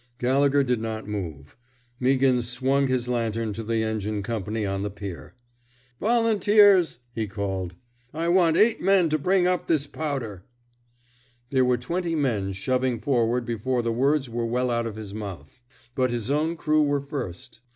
Gallegher did not move. Meaghan swung his lantern to the engine company on the pier. Volunteers! " he called. I want eight men to bring up this powder." There were twenty men shoving forward before the words were well out of his mouth ; but his own crew were first.